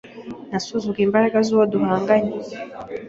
Nasuzuguye imbaraga z'uwo duhanganye.